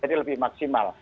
jadi lebih maksimal